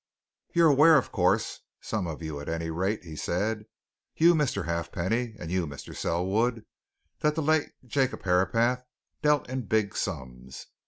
"You're aware, of course, some of you at any rate," he said, "you, Mr. Halfpenny, and you, Mr. Selwood, that the late Jacob Herapath dealt in big sums.